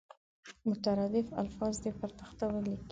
مترادف الفاظ دې پر تخته ولیکي.